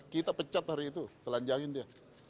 kita pecat hari itu telanjangin dia